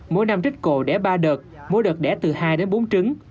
mỗi năm trích cổ đẻ ba đợt mỗi đợt đẻ từ hai đến bốn trứng